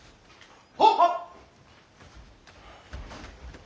はっ！